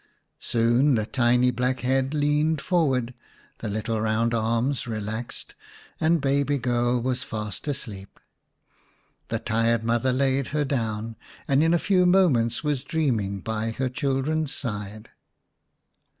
Soon the tiny black head leaned forward, the little round arms relaxed, and baby girl was fast asleep. The tired mother laid her down, and in a few moments was dreaming by her children's side.